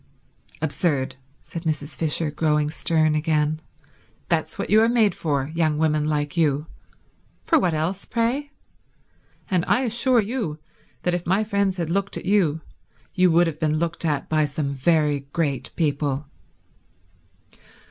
"Absurd," said Mrs. Fisher, growing stern again. "That's what you are made for, young women like you. For what else, pray? And I assure you that if my friends had looked at you, you would have been looked at by some very great people."